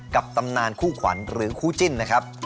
ตำนานคู่ขวัญหรือคู่จิ้นนะครับ